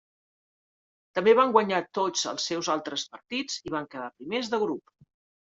També van guanyar tots els seus altres partits i van quedar primers de grup.